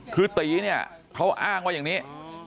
คือตีเนี่ยเขาอ้างว่าอย่างนี้